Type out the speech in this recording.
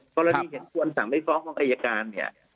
กรณีเห็นควรสั่งไม่ฟ้องของอายการเนี่ย